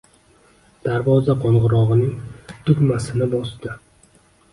Darvoza qoʻngʻirogʻining tugmasini bosdi.